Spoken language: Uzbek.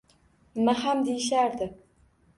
Nima ham deyishardi